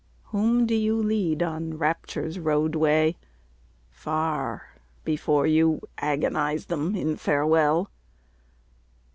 Whom do you lead on Rapture's roadway, far, Before you agonise them in farewell?